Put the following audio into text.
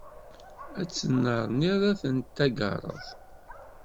Ad ttennerniḍ ad ten-tagareḍ.